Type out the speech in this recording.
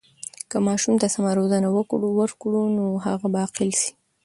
که ماشوم ته سمه روزنه وکړو، نو هغه به عاقل سي.